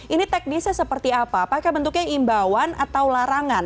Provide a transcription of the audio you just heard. ini teknisnya seperti apa apakah bentuknya imbauan atau larangan